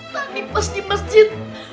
tadi pas di masjid